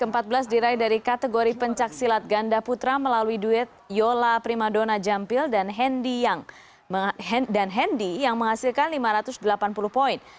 ke empat belas diraih dari kategori pencaksilat ganda putra melalui duit yola primadona jampil dan hendy yang menghasilkan lima ratus delapan puluh poin